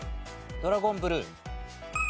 ドラゴンブルー。